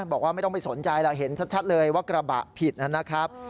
บอกว่าไม่ต้องไปสนใจแล้วเห็นชัดเลยว่ากระบะผิดนะครับ